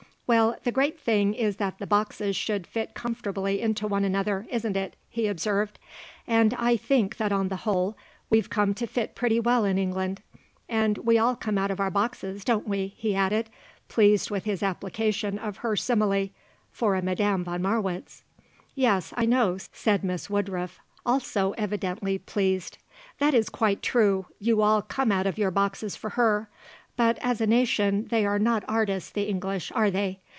"Well, the great thing is that the boxes should fit comfortably into one another, isn't it," he observed; "and I think that on the whole we've come to fit pretty well in England. And we all come out of our boxes, don't we," he added, pleased with his application of her simile, "for a Madame von Marwitz." "Yes, I know," said Miss Woodruff, also, evidently, pleased. "That is quite true; you all come out of your boxes for her. But, as a nation, they are not artists, the English, are they?